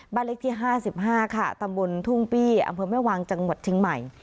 บ้านเล็กที่ห้าสิบห้าค่ะตำบลทุ่งปี้อำเภอแม่วางจังหวัดชิงใหม่